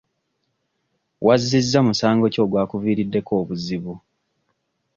Wazzizza musango ki ogwakuviiriddeko obuzibu?